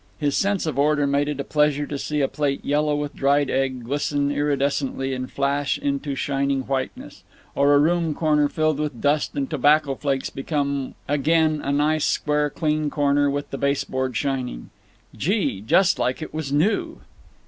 His sense of order made it a pleasure to see a plate yellow with dried egg glisten iridescently and flash into shining whiteness; or a room corner filled with dust and tobacco flakes become again a "nice square clean corner with the baseboard shining, gee! just like it was new."